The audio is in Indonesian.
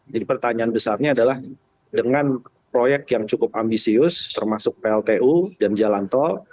jadi pertanyaan besarnya adalah dengan proyek yang cukup ambisius termasuk pltu dan jalanto